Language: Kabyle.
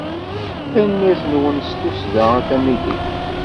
Tanemmirt-nnem s tussda a tamidit.